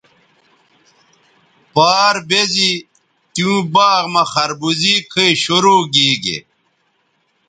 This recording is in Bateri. پار بیزی تیوں باغ مہ خربوزے کھئ شروع گیگے